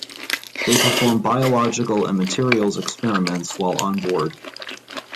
They performed biological and materials experiments while on board.